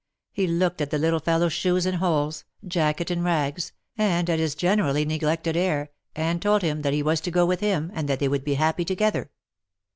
He looked at the little fellow's shoes in holes, jacket in rags, and at his generally neglected air, and told him that he was to go with him, and that they would be happy together.